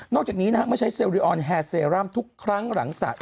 นอกจากนี้ไม่ใช้เซลลีออนแฮร์เซรั่มทุกครั้งหลังศาสตร์